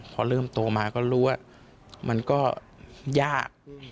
พอเริ่มโตมาก็รู้ว่ามันก็ยาก